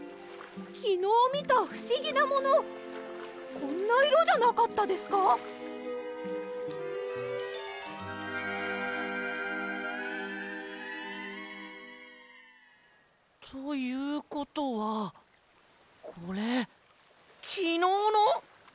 きのうみたふしぎなものこんないろじゃなかったですか？ということはこれきのうの！？